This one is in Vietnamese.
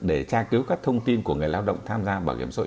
để tra cứu các thông tin của người lao động tham gia bảo hiểm xuất